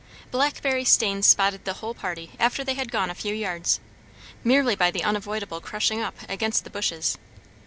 Blackberry stains spotted the whole party after they had gone a few yards, merely by the unavoidable crushing up against the bushes.